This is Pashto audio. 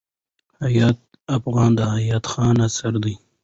حیات افغاني د حیات خان اثر دﺉ.